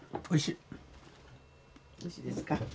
おいしいですか？